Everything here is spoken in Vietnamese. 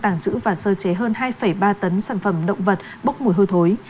tàng trữ và sơ chế hơn hai ba tấn sản phẩm động vật bốc mùi hôi thối